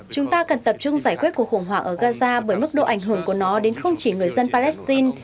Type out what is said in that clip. chúng ta cần tập trung giải quyết cuộc khủng hoảng ở gaza bởi mức độ ảnh hưởng của nó đến không chỉ người dân palestine